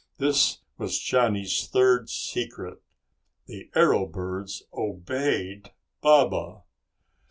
This was Johnny's third secret. The arrow birds obeyed Baba!